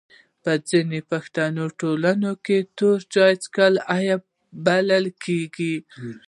په ځینو پښتني ټولنو کي توري چای چیښل عیب بلل کیږي.